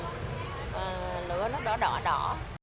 và lửa nó đỏ đỏ đỏ